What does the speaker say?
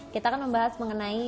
kita akan membahas mengenai